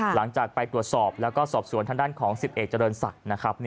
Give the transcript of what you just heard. หลังจากไปตรวจสอบแล้วก็สอบสวนทางด้านของ๑๑เจริญศักดิ์นะครับ